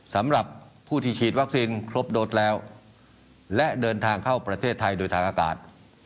สำหรับผู้ที่ฉีดวัคซีนครบโดสแล้วและเดินทางเข้าประเทศไทยโดยทางอากาศ